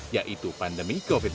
yaitu pandemi covid sembilan belas